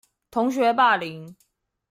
同學霸凌